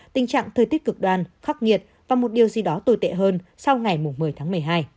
tình trạng thời tiết cực đoan khắc nghiệt và một điều gì đó tồi tệ hơn sau ngày một mươi tháng một mươi hai